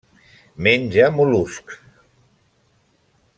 Menja mol·luscs.